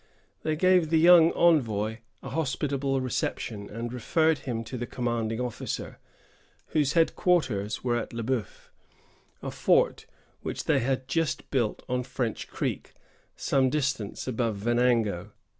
They gave the young envoy a hospitable reception, and referred him to the commanding officer, whose headquarters were at Le Bœuf, a fort which they had just built on French Creek, some distance above Venango.